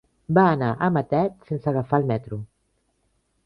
Va anar a Matet sense agafar el metro.